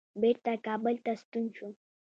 بیرته کابل ته ستون شو.